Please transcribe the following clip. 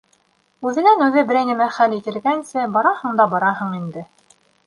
Үҙенән-үҙе берәй нәмә хәл ителгәнсе, бараһың да бараһың инде.